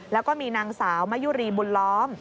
แล้วก็มีนางสาวมะยุรีบุญล้อม